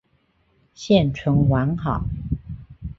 现存完好。